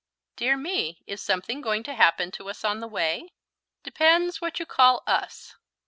"Dear me, is something going to happen to us on the way?" "Depends what you call 'us.'"